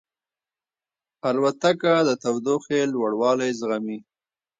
الوتکه د تودوخې لوړوالی زغمي.